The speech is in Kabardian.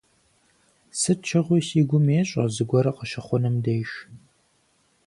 Сыт щыгъуи си гум ещӏэ зыгуэр къыщыхъунум деж.